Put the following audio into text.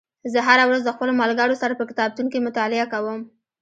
زه هره ورځ د خپلو ملګرو سره په کتابتون کې مطالعه کوم